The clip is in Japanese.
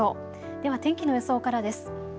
では天気の予想からです。